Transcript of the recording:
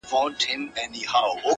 لا به در اوري د غضب غشي -